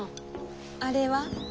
あれは？